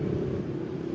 động duyên cho nạn nhân